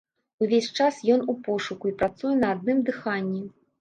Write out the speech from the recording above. Увесь час ён у пошуку і працуе на адным дыханні.